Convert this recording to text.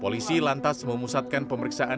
polisi lantas memusatkan pemeriksaan